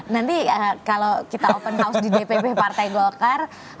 nanti kalau kita open house di dpp partai golkar